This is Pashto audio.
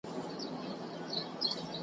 نصیب درکړې داسي لمن ده .